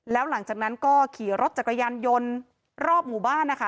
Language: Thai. แล้วหลังจากนั้นก็ขี่รถจักรยานยนต์รอบหมู่บ้านนะคะ